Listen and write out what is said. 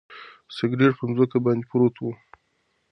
سګرټ په ځمکه باندې پروت و.